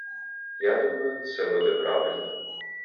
Я думаю, це буде правильно.